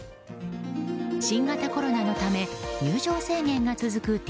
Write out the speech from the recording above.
新型コロナのため入場制限が続く